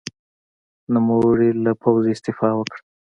نوموړي له پوځه استعفا وکړه.